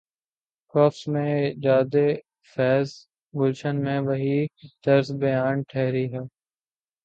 قفس میں ایجادفیض، گلشن میں وہی طرز بیاں ٹھہری ہے۔